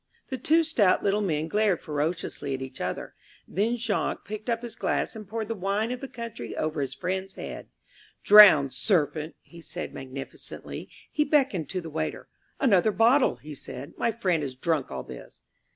The two stout little men glared ferociously at each other. Then Jacques picked up his glass and poured the wine of the country over his friend's head. "Drown, serpent!" he said magnificently. He beckoned to the waiter. "Another bottle," he said. "My friend has drunk all this."